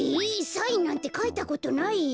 サインなんてかいたことないよ。